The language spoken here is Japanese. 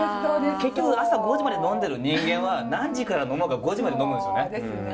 結局朝５時まで呑んでる人間は何時から呑もうが５時まで呑むんすよね。ですね。